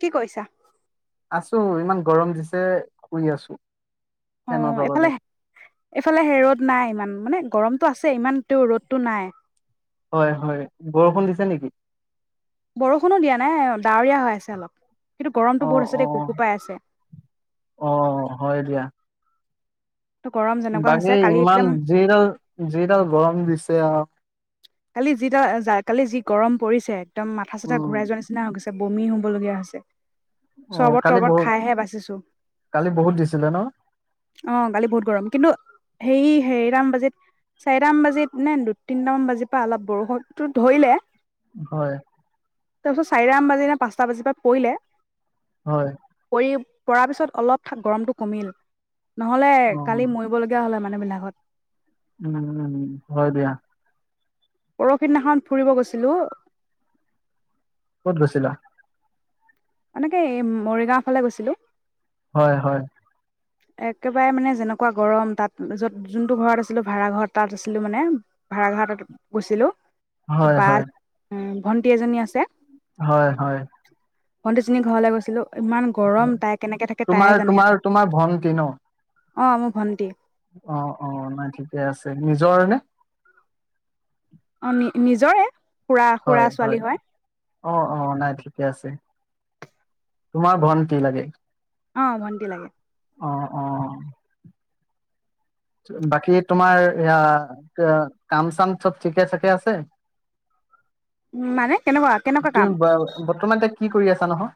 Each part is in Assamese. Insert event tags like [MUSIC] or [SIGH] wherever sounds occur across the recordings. কি কৈছা আছো ইমান গৰম দিছে শুই আছো অ ফেনৰ তলতে এফালে এফালে হে ৰ'দ নাই ইমান মানে। গৰমটো আছে ইমান তেওঁ ৰ'দটো নাই। হয় হয় বৰষুণ দিছে নেকি বৰষুণো দিয়া নাই ডাৱৰীয়া হৈ আছে অলপ। কিন্তু গৰমটো অ বহুত আছে অ দেই বুকু পাই আছে অ হয় দিয়া ত' গৰম যেনেকুৱা হৈছে বাকী কালি ইমান একদম যিডাল যিডাল গৰম দিছ ছে আও কালি যিটা আ কালি যি গৰম পৰিছে একদম মাথা চথা উম ঘূৰাই যোৱাৰ নিচিনা হৈ গৈছে। বমি হ'ব লগীয়া হৈছে। অ চৰবত কালি তৰবত বহুত খাইহে বাচিছো। কালি বহুত দিছিলে ন আহ গকালি বহুত গৰম কিন্তু হেৰি সেটাম বাজিত চাৰিটাম বাজিত নে দু তিনটামান বাজিত পা অলপ বৰষুণটো ধৰিলে, হয়। তাৰপিছত চাৰিটা আন বাজি নে পাঁচটা বাজিৰ পৰা পৰিলে। হয় পৰি পৰা পিছত অলপ ঠা গৰমটো কমিল। নহলে অ কালি মৰিবলগীয়া হল হয় মানে। লা বিলাকত। উম উম, হয় দিয়া। পৰহি দিনাখন ফুৰিব গৈছিলো। ক'ত গৈছিলা? আমিতো এই মৰিগাঁও ফালে গৈছিলো। হয় হয়। একেবাৰে মানে যেনেকুৱা গৰম তাত য'ত যোনটো ঘৰত আছিলো ভা়ঘৰত তাত আছিলো মানে ভাড়াঘৰ গৈছিলো। হয় হয়। ভণ্টি এজনী আছে। হয় হয়। ভণ্টি জনীৰ ঘৰলে গৈছিলোঁ। ইমান হয়। গৰম তাই কেনেকে থাকে তাইহে জানে আৰু। টি ন অ মোৰ ভণ্টি। অ অ নাই ঠিকে আছে। নিজৰ নে? অ নি নিজৰে। খুৰা খুৰা ছোৱালী হয়। অ অ নাই ঠিকে আছে তোমাৰ ভন্টি লাগে। অ ভণ্টি লাগে। অ অ। বাকী তোমাৰ ইয়া কাম চাম চব ঠিকে থাকে আছে? উ মানে কেনেকুৱা কেনেকুৱা তুমি কাম? বৰ্তমান এতিয়া কি কৰি আছা নহয়!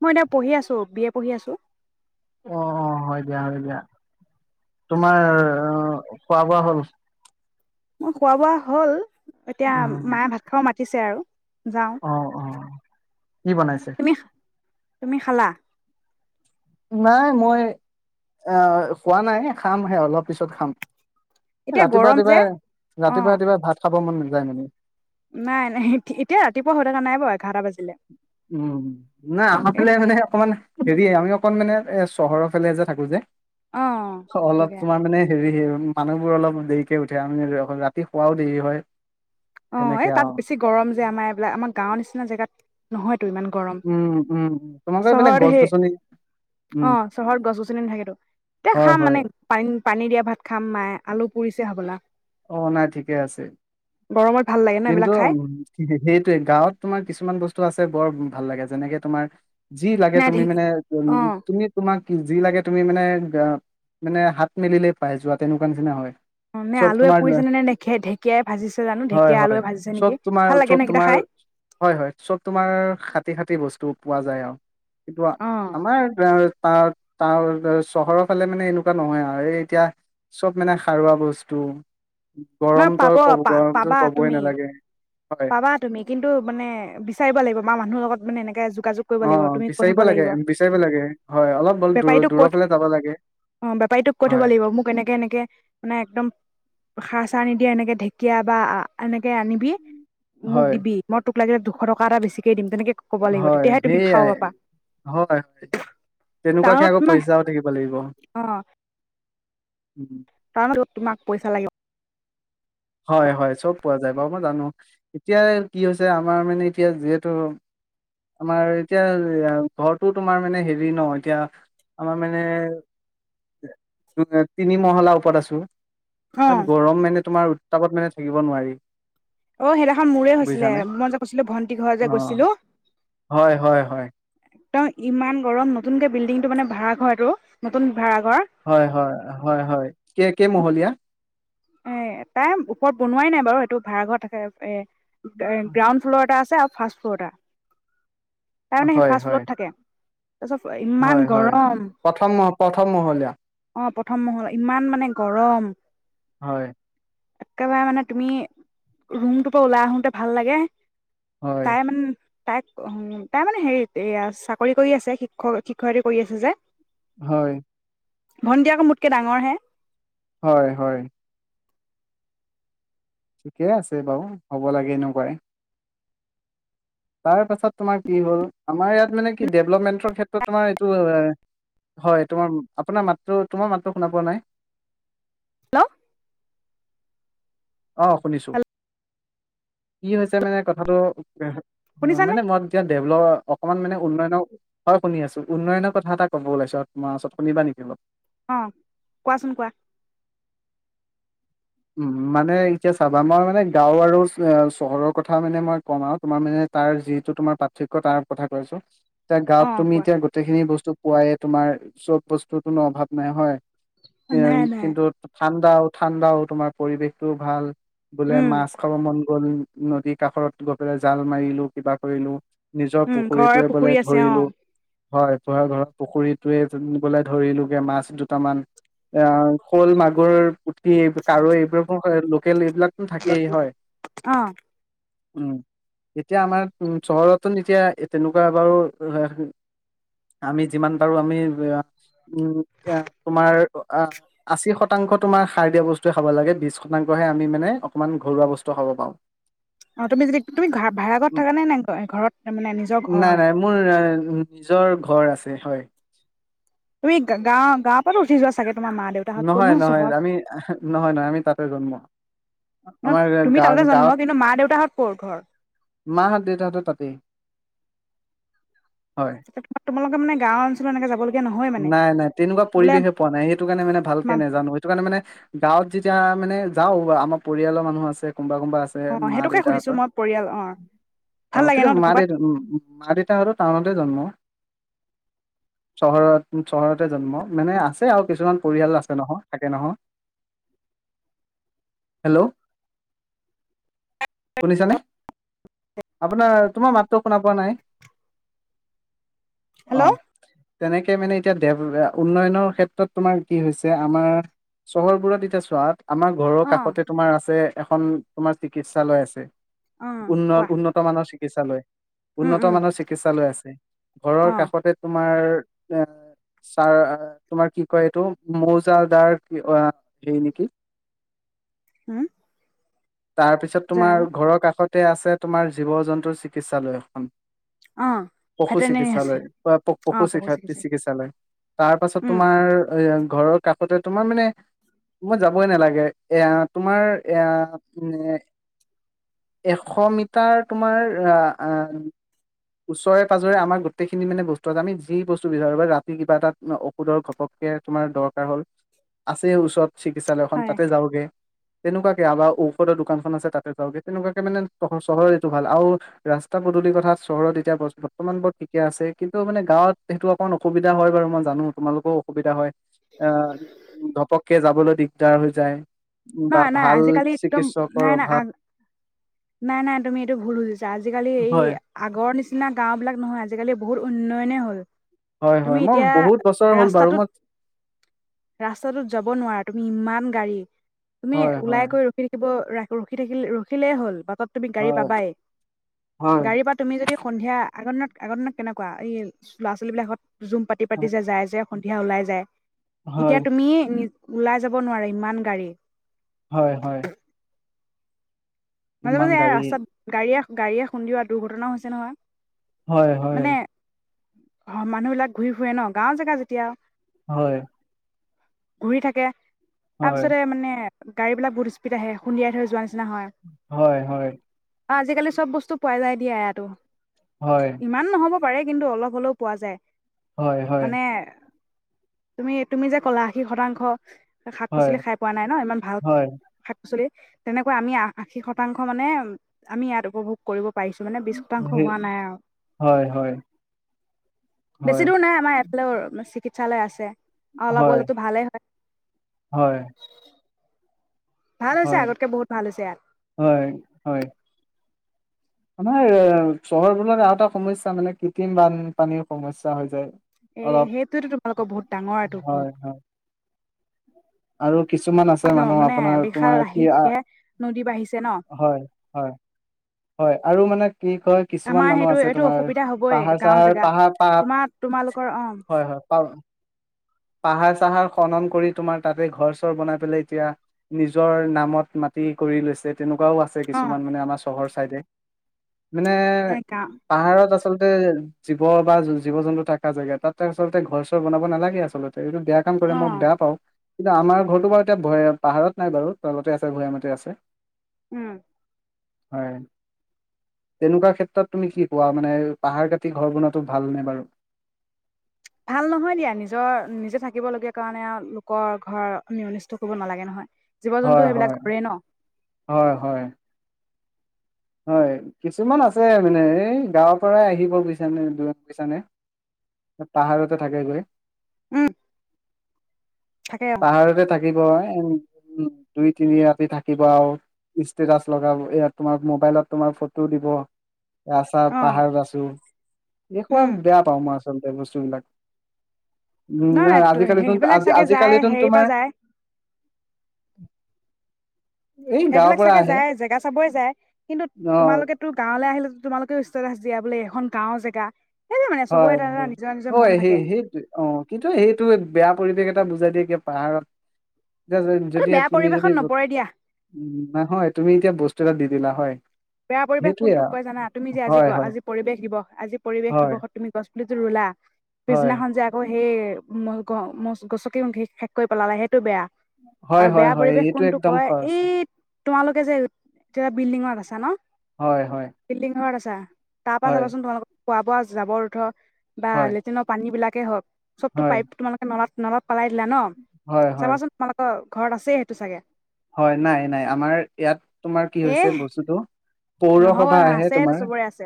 মই এতিয়া পঢ়ি আছো বি এ পঢ়ি আছো। অ অ হয় দিয়া, হয় দিয়া। তোমাৰ খোৱা বোৱা হ'ল? মোৰ খোৱা বোৱা হ'ল! এতিয়া উম মায়ে ভাত খাব মাতি উঠিছে আৰু। যাওঁ অ অ কি বনাইছে? তুমি তুমি খালা? নাই মই আহ খোৱা নাই খামহে অলপ পিছত খাম। এতিয়া ৰাতিপুৱা গৰম যে ৰাতিপুৱা অ ৰাতিপুৱা ৰাতিপুৱাব ভাত খাব মন যায় মানে নাই নাই এতিয়া ৰাতিপুৱা হৈ থকা নাই বাৰু এঘাৰটা বাজিলে উম [UNINTELLIGIBLE] যদি আমি অকণ মানে এ চহৰৰ ফালে যে থাকো যে অ অলপ ঠিকে তোমাৰ মানে হেৰি মানুহবোৰ অলপ দেৰিকে উঠে আমি ৰাতি শোৱাও দেৰি হয় অ এই তাত বেছি গৰম যে আমাৰ এইবিলাক আমাৰ গাঁওৰ নিচিনা জেগাত নহয় ইমান গৰম, উম উম তোমালোকৰ এইফালে চহৰত গছ সেই গছনি অ উম চহৰত গছ গছনি নাথাকেতো এতিয়া হয় খাম হয় মানে পানী পানী দিয়া ভাত খাম মায়ে আলু পুৰিছে হ'বলা অ নাই ঠিকে আছে গৰমত ভাল লাগে ন কিন্তু এইবিলাক খাই কি সেইটোৱে গাঁৱত তোমাৰ কিছুমান বস্তু আছে বৰ ভাল লাগে যেনেকে তোমাৰ যি লাগে নাই তুমি ঢেঁকী মানে অ তুমি তোমাক কি যি লাগে তুমি মানে মানে হাত মেলিলে পাই যোৱা তেনেকুৱা নিচিনা হয় অনে চব আলুৱে তোমাৰ পুৰিছে নে নে ঢেকীয়াই ভাজিছে জানো ঢে হয় হয় চব তোমাৰ চব তোমাৰ হয় হয় চব তোমাৰ খাটি খাটি বস্তু পোৱা যায় আৰু ইটো অ আমাৰ ত ত চহৰৰ ফালে মানে এনেকুৱা নহয় আৰু এই এতিয়া চব মানে সাৰুৱা বস্তু ন গৰম তই পাব ক'ব পা গৰমতো পাবা একোৱে তুমি নালাগে পাবা তুমি, কিন্তু মানে বিচাৰিব লাগিব [UNINTELLIGIBLE] বা মানুহৰ লগত মানে এনেকে যোগাযোগ কৰিব অ লাগিব। তুমি কৈ বিচাৰিব থব লাগে লাগিব, বিচাৰিব লাগে হয় অলপ বল দূৰ বেপাৰীটোক, কৈ দূৰৰ ফালে যাব লাগে অ', বেপাৰীটোক কৈ থব হয় লাগিব, মোক এনেকে, এনেকে মানে একদম। সাৰ-চাৰ নিদিয়ে এনেকে ঢেকীয়া বা এনেকে আনিবি মোক হয় দিবি মই তোক লাগিলে দুশ টকা এটা বেছিকে দিম তেনেকে ক'ব লাগিব হয়, তেতিয়াহে তুমি খাব সেইয়াই পাবা হয়, তেনেকুৱাকে টাউনত আকৌ তোমাক পইচাও থাকিব লাগিব। উম, তাৰ মাজত তোমাক পইচা লাগিব। হয়, হয়, চব পোৱা যায়, বাৰু মই জানো। এতিয়া কি হৈছে আমাৰ মানে, এতিয়া যিহেতু আমাৰ এতিয়া ঘৰটো তোমাৰ মানে, হেৰি ন', এতিয়া আমাৰ মানে, তিনি মহলাৰ ওপৰত আছোঁ। অ তাত গৰম মানে তোমাৰ উত্তাপত মানে থাকিব নোৱাৰি অ', সেইদিনাখন মোৰে হৈছিলে, বুজিছানে মই যে কৈছিলোঁ, ভন্টি ঘৰত যে অ গৈছিলোঁ। হয় হয় হয় একদম ইমান গৰম নতুনকে বিল্ডিংটো মানে, ভাড়াঘৰটো, নতুন ভাড়াঘৰ। হয়, হয়, হয়, হয় কে কেই মহলীয়া? এ তাই ওপৰত বনোৱাই নাই বাৰু সেইটো ভাড়াঘৰত থাকে এ গ্ৰাউণ্ড ফ্ল'ৰ এটা আছে। [UNINTELLIGIBLE] ফাৰ্ষ্টফ্লোৰ এটা। তাৰমানে সেই হয় হয় ফাৰ্ষ্টফ্লোৰত থাকে। তাৰপিছত ইমান হয়, হয়, গৰম প্ৰথম মহ প্ৰথম মহলীয়া। অ প্ৰথম মহল, ইমান মানে গৰম। হয় এক্কেবাৰে মানে তুমি ৰুমটোৰ পৰা ওলাই আহোতে ভাল লাগে। হয় তাই মানে তাইক উ তাই মানে হেৰিত, এয়া চাকৰি কৰি আছে। শিক্ষক শিক্ষয়িত্ৰী কৰি আছে যে। হয় ভণ্টি আকৌ মোতকে ডাঙৰ হে। হয়, হয় ঠিকে আছে বাৰু, হ'ব লাগে এনেকুৱাই। তাৰ পাছত তোমাৰ কি হ'ল আমাৰ ইয়াত মানে কি ডেভলপমেন্টৰ ক্ষেত্ৰত তোমাৰ এইটো হয়, তোমাৰ, আপোনাৰ মাতটো, তোমাৰ মাতটো শুনা পোৱা নাই। হেল্ল' অ', শুনিছোঁ। হেল্ল' কি হৈছে মানে কথাটো। অ', শুনিছানে মানে মই এতিয়া দেভলপ অকমান মানে উন্নয়নৰ, হয় শুনি আছোঁ। উন্নয়নৰ কথা এটা ক'ব ওলাইছোঁ আৰু তোমাৰ ওচৰত, শুনিবা নেকি অলপ। অ', কোৱাচোন কোৱা। উম, মানে এতিয়া চাবা, মই মানে গাঁও আৰু চ চহৰৰ কথা মানে মই কম আৰু তোমাৰ মানে তাৰ যিটো তোমাৰ পাৰ্থক্য তাৰ কথা কৈ আছোঁ। এতিয়া গাঁওত অ' তুমি কোৱা। এতিয়া গোটেইখিনি বস্তু পোৱাই তোমাৰ, চব বস্তু কোনো অভাৱ নাই, হয় উ নাই নাই। কিন্তু ঠাণ্ডা ঠাণ্ডাও তোমাৰ পৰিৱেশটো ভাল বোলে উম, মাছ খাব মন গল নদীৰ কাষত গৈ পেলাই জাল মাৰিলো কিবা কৰিলো নিজৰ উম, ঘৰৰে পুখুৰীটোৱে বোলে পুখুৰী আছে ধৰিলো অ', হয় ঘ ঘৰ পুখুৰীটোয়ে গলে ধৰিলোগে মাছ দুটামান এ শ'ল মাগুৰ পুঠি [UNINTELLIGIBLE] [UNINTELLIGIBLE] [UNINTELLIGIBLE] হয়। অ। উম, এতিয়া আমাৰ চহৰতো এতিয়া তেনেকুৱা বাৰু আমি যিমান পাৰো আমি উম তোমাৰ আহ আশী শতাংশ তোমাৰ সাৰ দিয়া বস্তু [UNINTELLIGIBLE] খাব লাগে বিশ শতাংশহে আমি মানে অকণমান ঘৰুৱা বস্তু খাব পাওঁ। অঁ, তুমি যদি তুমি ঘা-ভাড়া ঘৰত উম, থাকা নে নে ঘৰত মানে নিজৰ ঘৰ নাই হয়। নাই মোৰ আহ, নিজৰ [UNINTELLIGIBLE] হয়। তুমি গাওঁ-গাওঁ পৰাটো উঠি যোৱা চাগে। তোমাৰ মা দেউতাহঁত ক'তনো নহয় নহয় চহৰত আমি [UNINTELLIGIBLE] নহয় নহয় আমি তাতে জন্ম ন আমাৰ তুমি গা তাতে জন্ম গাওঁত, কিন্তু মা দেউতাহঁত ক'ৰ ঘৰ? মাহত দেউতাহতৰ তাতেই। হয় [UNINTELLIGIBLE] [UNINTELLIGIBLE] মানে গাঁও অঞ্চলত এনেকে যাব নাই নাই তেনেকুৱা পৰিৱেশে পোৱা নাই সেইটো কাৰণে মানে ভালকে নেজানো সেইটো কাৰণে মানে গাঁৱত যিটো এতিয়া মানে যাওঁ আমাৰ পৰিয়ালৰ মানুহ আছে। কোনবা কোনবা আছে অ' মা সেইটোকে সুধিছো দেউতাহঁতৰ, মই পৰিয়াল অ' [UNINTELLIGIBLE] ভাল লাগে কিন্তু ন মা তেনেকুৱাত দেউতা মা দেউতাহঁতৰ টাউন [UNINTELLIGIBLE] চহৰত। চহৰতে জন্ম মানে আছে আৰু কিছুমান পৰিয়াল আছে নহয় থাকে নহয়, হেল্ল' শুনিছানে আপোনাৰ তোমাৰ মাতটো শুনা পোৱা নাই। হেল্ল'। অ তেনেকে কে মানে এতিয়া দে উন্নয়নৰ ক্ষেত্ৰত তোমাৰ কি হৈছে আমাৰ চহৰবোৰত এতিয়া চোৱা আমাৰ ঘৰৰ অ', কাষতে তোমাৰ আছে এখন তোমাৰ চিকিৎসালয় আছে। অ', উন্ন কোৱা - উন্নত মানৰ চি [UNINTELLIGIBLE] উম, উন্নত উম, মানৰ চিকিৎসালয় আছে, ঘৰৰ অ', কাষতে তোমাৰ এ ছাৰ তোমাৰ কি কয় এইটো মৌজাদাৰ কি [UNINTELLIGIBLE] হেৰি নেকি। উম। তাৰ পিছত তোমাৰ জানো ঘৰৰ কাষত তে আছে তোমাৰ জীৱ-জন্তুৰ চিকিৎসালয়খন। অ' পশু ভেটেনেৰী আছে চিকিৎসালয় বা অ' পশু [UNINTELLIGIBLE] চিকিৎসক চিকিৎসালয়, তাৰ পাছত উম, তোমাৰ এ ঘৰৰ কাষতে তোমাৰ মানে মই যাবই নালাগে এয়া তোমাৰ এয়া [UNINTELLIGIBLE] এশ মিটাৰ তোমাৰ আহ ওচৰে পাজৰে আমাৰ গোটেইখিনি মানে বস্তু [UNINTELLIGIBLE] আমি যি বস্তু বিচাৰো বা ৰাতি কিবা এটা ঔষধৰ ঘপককে তোমাৰ দৰকাৰ হ'ল, আছেই ওচৰত। চিকিৎসালয়খন হয়। তাতে যাওঁগে। তেনেকুৱাকে [UNINTELLIGIBLE] ঔষধৰ দোকানখন আছে তাতে যাওগে তেনেকুৱাকে মানে চহৰ এইটো ভাল আৰু ৰাস্তা পদূলিৰ কথা চহৰত এতিয়া বৰ্তমান বৰ ঠিকে আছে কিন্তু মানে গাঁৱত সেইটো অকমান অসুবিধা হয় বাৰু মই জানো তোমালোকৰো অসুবিধা হয়, আহ ধপককে যাবলৈ দিগদাৰ হৈ যায়। বা নাই নাই ভাল আজিকালি একদম চিকিৎসকৰ নাই নাই আ অভাৱ নাই নাই তুমি এইটো ভুল বুজিছা আজিকালি এই। হয় আগৰ নিচিনা গাঁওবিলাক নহয় আজিকালি বহুত উন্নয়নেই হ'ল। হয় তুমি হয় মই এতিয়া বহুত বছৰ হ'ল বাৰু ৰাস্তাটোত মই ৰাস্তাটোত যাব নোৱাৰা। তুমি ইমান গাড়ী তুমি হয় ওলাই হয় কৰি ৰখি থাকিব। ৰা ৰখি থাকিল ৰখিলে হ'ল বাটত। তুমি গাড়ী হয় পাবাই হয় গাড়ীৰ পা তুমি যদি সন্ধিয়া। আগৰ দিনত আগৰ দিনত কেনেকুৱা এই ল'ৰা ছোৱালী বিলাকহঁত। জুম পাতি পাতি যে যাই যে সন্ধিয়া ওলাই যায় এতিয়া হয় তুমি নিজে ওলাই যাব নোৱাৰে ইমান গাড়ী হয় হয়। মাজে ইমান মাজে এয়া গাড়ী ৰাস্তাত গাড়ীয়ে? গাড়ীয়ে খুন্দিয়াটো দুৰ্ঘটনা হৈছে নহয়। হয় হয় অ মানুহ বিলাক ঘূৰি ফুৰে ন গাঁওৰ জেগা যেতিয়া। হয়। ঘূৰি থাকে। তাৰ হয় পিছতে মানে গাড়ীবিলাক বহুত স্পীড আহে খুন্দিয়াই থৈ যোৱা নিচিনা হয়। হয় হয়। অ আজিকালি চব বস্তু পোৱা যাই দিয়া ইয়াতো হয় ইমান নহব। পাৰে কিন্তু অলপ হলেও পোৱা যায়। হয় হয়। মানে তুমি তুমি যে কলা আশী শতাংশ শাক হয় পাচলি খাই পোৱা নাই ন ইমান ভাল হয়, শাক পাচলি। তেনেকৈ আমি আহ। আশী শতাংশ মানে, আমি ইয়াত উপভোগ কৰিব। পাৰিছো মানে বিছ শতাংশ সেই হোৱা নাই আৰু হয়, হয়, বেছি হয়, দূৰ নাই আমাৰ এইফালৰ চিকিৎসালয় আছে। হয় হয় হয়। ভাল হৈছে হয়, আগতকে বহুত ভাল হৈছে ইয়াত, মানে এ চহৰবোৰত আৰু এটা সমস্যা মানে কৃত্ৰিম বানপানীৰ সমস্যা হৈ যায়। এ অলপ সেইটোয়েতো তোমালোকৰ বহুত ডাঙৰ এটো হয়, বুট। হয় আৰু কিছুমান আছে মানুহ মানে আপোনাৰ বিশাল তোমাৰ কি আ আহিলেহে নদী বাঢ়িছে ন হয় হয় হয় আৰু মানে কি কয় আমাৰ কিছুমান মানুহ সেইটো আছে এইটো তোমাৰ অসুবিধা হবই পাহাৰ গাঁওৰ চাহাৰ জেগা পাহাৰ পা তোমাৰ তোমালোকৰ অ হয় হয় পাম পাহাৰ চাহাৰ খনন কৰি তোমাৰ তাতে ঘৰ চৰ বনাই পেলাই এতিয়া নিজৰ নামত মাটি কৰি লৈছে তেনেকুৱা। তেনেকুৱাও আছে অ কিছুমান মানে আমাৰ চহৰ। খাই দে মানে এ গাওঁ পাহাৰত আছে। আচলতে জীৱ বা জীৱ জন্তু থকা জেগা তাততে আচলতে ঘৰ চৰ বনাব নালাগে আছিল। এইটো বেয়া কাম কৰে অ মই বেয়া পাওঁ। কিন্তু আমাৰ ঘৰৰতটো বাৰু এতিয়া ভে পাহাৰত নাই বাৰু তলতে আছে ভৈয়ামতে আছে। উম হয় তেনেকুৱা ক্ষেত্ৰত তুমি কি কোৱা মানে পাহাৰ কাটি ঘৰ বনোৱাটো‌ ভালনে বাৰু। ভাল নহয় দিয়া নিজৰ নিজে থাকিব লগীয়া কাৰণে লোকৰ ঘৰ আমি অনিষ্ট কৰিব নালাগে নহয়। জীৱ জন্তু হয় সেইবিলাক হয় ঘৰেই ন হয় হয় হয় কিছুমান আছে মানে এই গাঁৱৰ পৰাই আহিব বিচানে বিছানে পাহাৰতে থাকে গৈ। উম থাকে অ পাহাৰতে থাকিব এ উম দুই তিনি ৰাতি থাকিব আৰু ষ্টেটাচ লগাব এ তোমাৰ। মোবাইলত তোমাৰ ফটো দিব। এয়া চা অ পাহাৰত আছোঁ এই সোপা উম বেয়া পাও মই আ। চতে বস্তু বিলাক- উম নহয় নাই আজিকালিতোন সেইবিলাক আজি চাগে আজি যায় কালি তোন হেৰি তোমাৰ। পৰা যায় এই গাঁৱৰ সেইবিলাক পৰা চাগে আহে যায় জেগা চাবই যায়। কিন্তু অ তোমালোকেতো গা। গাঁৱলৈ আহিলে তোমালোকেও ষ্টেটাছ দিয়া বুলে এখন গাঁও জেগা। সেই মানে চবৰে হয় এটা এটা হয় নিজৰ নিজৰ মন হয় থাকে সেই সেইটো অ কিন্তু সেইটো বেয়া পৰিৱেশ। টা বুজাই দিয়ে কি পাহাৰত। এতিয়া এইটো যদি বেয়া তুমি যদি পৰিৱেশত নপৰে দিয়া উম নহয় তুমি এতিয়া বস্তু এটা দি দিলা হয়। বেয়া পৰিৱেশ সেইটোয়ে কোনটোক আৰু কয় জানা, তুমি যে আজি হয় ক হয় আজি পৰিৱেশ দিৱস আজি পৰিৱেশ হয় দিৱসত। তুমি গছ পুলিটো ৰুলা। হয় পিছনাখন যে আকৌ হেই। মই কওঁ মছ গছকি শেষ কৰি পেলালে সেইটো বেয়া। হয় আৰু হয় বেয়া হয় পৰিৱেশ এইটো কোনটো একদম কয় খৰচ। এই তোমালোকে যে এতিয়া বিল্ডিঙত আছা ন। হয় হয়। ক্তা তাৰ পৰা হয়, চাবাচোন তোমালোকক খুৱা বোৱা যাৱৰ যোধৰ। বা হয়, লেট্ৰিনৰ পানী বিলাক। কে হওক। চবটো হয়, পাইপ তোমালোকে নলা নলাত পলাই দিলা ন হয়, হয়, চাবাচোন তোমালোকৰ ঘৰত আছেই সেইটো চাগে। হয় নাই নাই আমাৰ ইয়াত তোমাৰ কি এ হৈছে বস্তুটো। নহব নহয় পৌৰসভা আছে আহে সেইটো তোমাৰ চবৰে আছে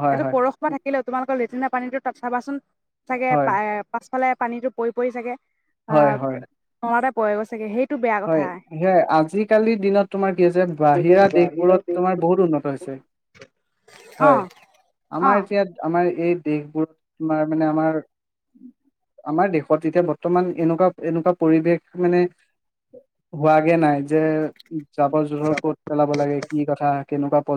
হয়, এইটো হয়, পৰশুৱা থাকিলেও তোমালোকৰ। পিছদিনা পানীটো তাত চাবাচোন। চাগে এ হয়, পাছফালে। পানীতটো পৰি পৰি চাগে। অ হয়, হয়, নলাতে পৰি গৈছে গে, সেই হয় সেইয়াই আজিকালিৰ দিনত তোমাৰ কি হৈছে বাহিৰা বাহিৰা দেশবোৰত তোমাৰ দেশবোৰ বহুত উন্নত হৈছে, হয় অ', আমাৰ অ'। এতিয়া আমাৰ এই দেশবোৰত তোমাৰ মানে আমাৰ আমাৰ দেশত এতিয়া বৰ্তমান এনেকুৱা এনেকুৱা পৰিৱেশ মানে হোৱাগে নাই যে জাবৰ জোথৰ যাব ক'ত পেলাব লাগে কি কথা। কেনেকুৱা পৰ